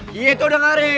dia itu udah ngerin